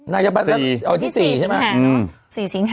วันที่สี่ใช่มั้ย